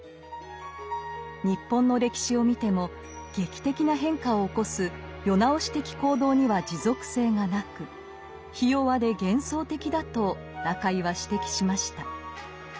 日本の歴史を見ても劇的な変化を起こす「世直し」的行動には持続性がなくひ弱で幻想的だと中井は指摘しました。